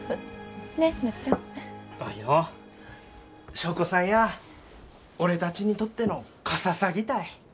祥子さんや俺たちにとってのカササギたい。